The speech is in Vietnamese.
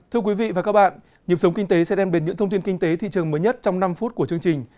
thưa quý vị và các bạn nhiệm sống kinh tế sẽ đem đến những thông tin kinh tế thị trường mới nhất trong năm phút của chương trình